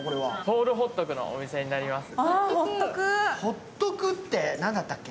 ソウルホットクのお店になります。